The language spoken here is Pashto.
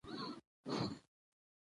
زه سبا سبا کومه لا منلي مي وعدې دي